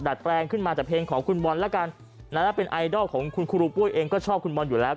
แปลงขึ้นมาจากเพลงของคุณบอลแล้วกันเป็นไอดอลของคุณครูปุ้ยเองก็ชอบคุณบอลอยู่แล้ว